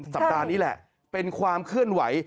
สัปดาห์นี้แหละเป็นความเคลื่อนไหว